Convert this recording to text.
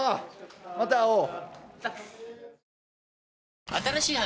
また会おう。